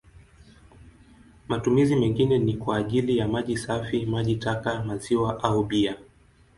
Matumizi mengine ni kwa ajili ya maji safi, maji taka, maziwa au bia.